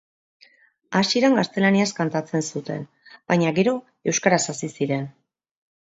Hasieran gaztelaniaz kantatzen zuten baina gero euskaraz hasi ziren.